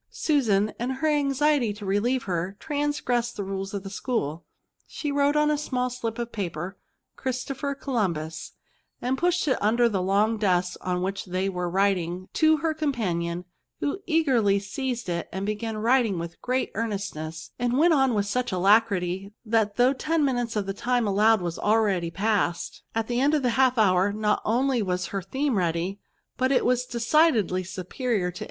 Susan, in her anxiety to relieve her, transgressed the rules of the school ; she wrote on a small slip of paper " Christopher Columbtis/* and pushed it under the long desk on which they were writing to her companion, who eagerly seized it, began writing with great earnestness, and went on with such alacrity that though ten minutes of the time allowed was already past, at the end of the half hour not only was her theme ready, but it was decidedly superior to.